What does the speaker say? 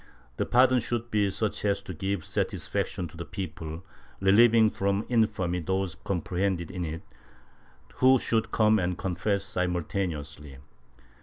The pardon should be such as to give satis faction to the people, relieving from infamy those comprehended in it who should come and confess spontaneously.